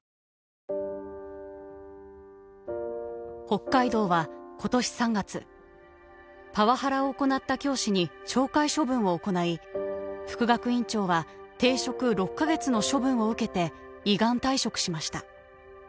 北海道は今年３月パワハラを行った教師に懲戒処分を行い副学院長は停職６カ月の処分を受けて依願退職しました。